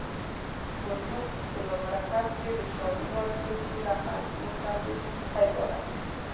فورمول په یو مرکب کې د شاملو عنصرونو له مجموعي سمبولونو څخه عبارت دی.